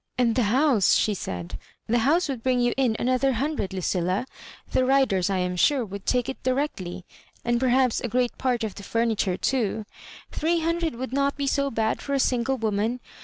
" And the house," she said —" the house would bring you in another hundred, Lu cilla. The Riders, I am sure, would take it di rectly, and perhaps a great part of the furniture top. Three hundred would not be so bad for a single woman.